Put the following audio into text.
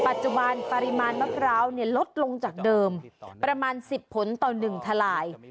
ปัจจุบานปริมาณมะพร้าวเนี่ยลดลงจากเดิมประมาณสิบผลต่อหนึ่งทลาย